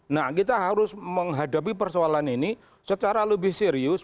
nah kita harus menghadapi persoalan ini secara lebih serius